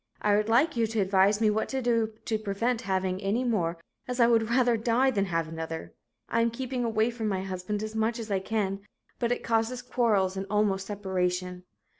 I would like you to advise me what to do to prevent from having any more as I would rather die than have another. I am keeping away from my husband as much as I can, but it causes quarrels and almost separation.